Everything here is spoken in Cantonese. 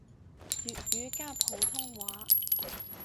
粵語加普通話